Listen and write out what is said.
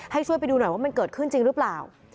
ให้ช่วยไปดูหน่อยว่ามันเกิดขึ้นจริงหรือเปล่า